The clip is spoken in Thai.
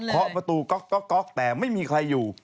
ขอประตูก๊อกก๊อกก๊อกแต่ไม่มีใครอยู่